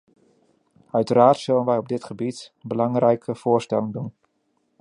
Uiteraard zullen wij op dit gebied belangrijke voorstellen doen.